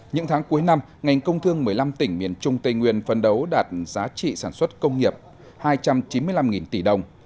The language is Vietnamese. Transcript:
những tháng cuối năm ngành công thương một mươi năm tỉnh miền trung tây nguyên phân đấu đạt giá trị sản xuất công nghiệp hai trăm chín mươi năm tỷ đồng